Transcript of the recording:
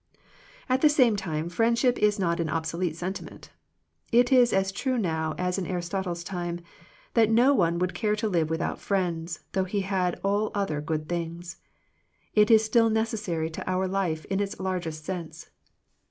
At the same time friendship is not an obsolete sentiment. It is as true now as in Aristotle's time that no one would care to live without friends, though he had all other good things. It is still necessary to our life in its largest sense.